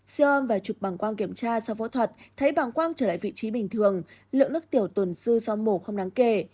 sion và trục bằng quang kiểm tra sau phô thuật thấy bằng quang trở lại vị trí bình thường lượng nước tiểu tuần dư sau mổ không đáng kể